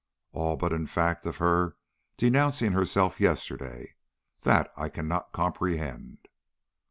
All but the fact of her denouncing herself yesterday; that I cannot comprehend."